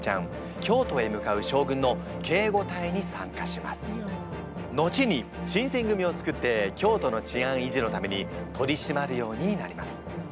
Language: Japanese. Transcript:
京都へ向かうのちに新選組を作って京都の治安維持のために取りしまるようになります。